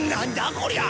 こりゃ。